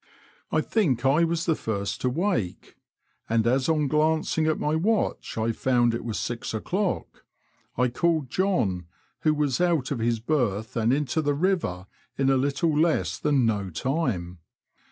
I think I was the first to wake, and as on glancing at my watch I found it was six o'clock, I called John, who was out of his berth and into the river in a little less than no time.